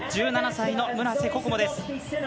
１７歳の村瀬心椛です。